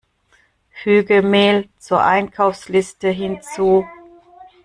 Füge Mehl zur Einkaufsliste hinzu!